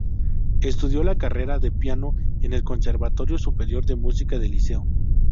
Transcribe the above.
Estudió la carrera de piano en el Conservatorio Superior de Música del Liceo.